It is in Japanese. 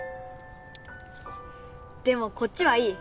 でもこっちはいい